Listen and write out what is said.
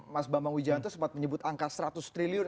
mas bambang ujian itu sempat menyebut angka seratus triliun